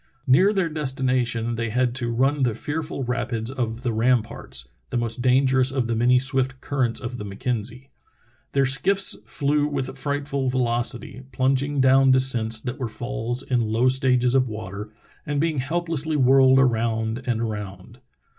Near their destmation they had to run the fearful rapids of the Ramparts, the most dangerous of the many swift currents of the Mackenzie. Their skiiFs flew with frightful velocity, plunging down descents that were falls in low stages of water and being helplessly whirled around and around.